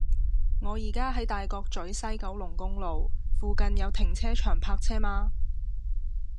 我依家喺大角咀西九龍公路，附近有停車場泊車嗎